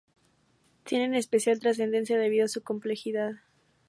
Tienen especial trascendencia debido a su complejidad.